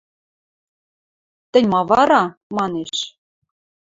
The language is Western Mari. – Тӹнь ма вара?! – манеш.